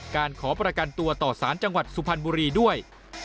ขอประกันตัวต่อสารจังหวัดสุพรรณบุรีด้วย